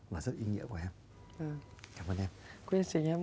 và rất ý nghĩa của em